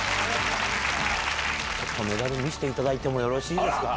メダル、見せていただいてもよろしいですか。